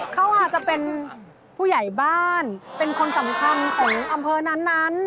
เขาอาจจะเป็นผู้ใหญ่บ้านเป็นคนสำคัญของอำเภอนั้น